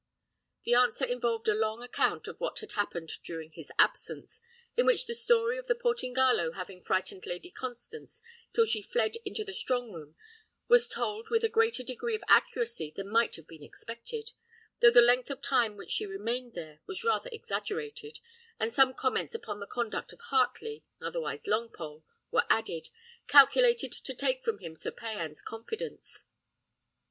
The answer involved a long account of what had happened during his absence, in which the story of the Portingallo having frightened Lady Constance till she fled into the strong room was told with a greater degree of accuracy than might have been expected, though the length of time which she remained there was rather exaggerated, and some comments upon the conduct of Heartley, otherwise Longpole, were added, calculated to take from him Sir Payan's confidence.